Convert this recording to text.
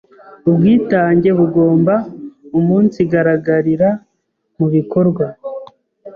Ubwitange bugomba umunsigaragarira mu bikorwa